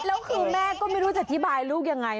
แล้วคือแม่ก็ไม่รู้จะอธิบายลูกยังไง